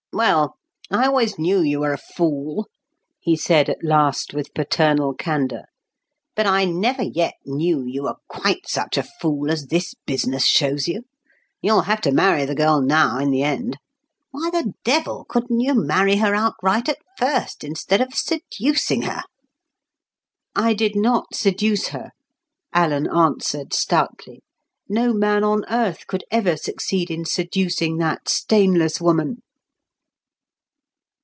"Well, I always knew you were a fool," he said at last with paternal candour; "but I never yet knew you were quite such a fool as this business shows you. You'll have to marry the girl now in the end. Why the devil couldn't you marry her outright at first, instead of seducing her?" "I did not seduce her," Alan answered stoutly. "No man on earth could ever succeed in seducing that stainless woman."